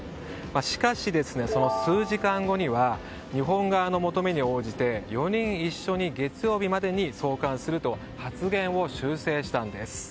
しかし、その数時間後には日本側の求めに応じて４人一緒に月曜日までに送還すると発言を修正したんです。